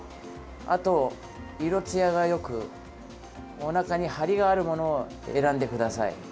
あと、色つやがよくおなかに張りがあるものを選んでください。